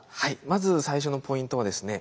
まず最初のポイントはですね